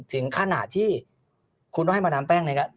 ถึงขณะที่คุณเข้าให้มรดามแป้งอะไรยะ